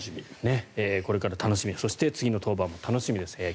これから楽しみそして次の登板も楽しみです。